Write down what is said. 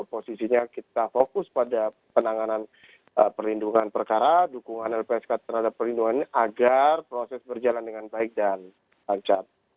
posisinya kita fokus pada penanganan perlindungan perkara dukungan lpsk terhadap perlindungan ini agar proses berjalan dengan baik dan lancar